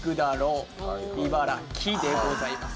茨城でございます。